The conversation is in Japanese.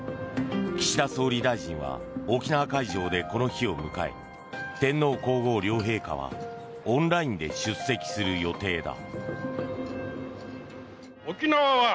岸田総理大臣は沖縄会場でこの日を迎え天皇・皇后両陛下はオンラインで出席する予定だ。